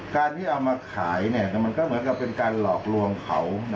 การที่เอามาขายมันก็เหมือนกับเป็นการหลอกลวงเขา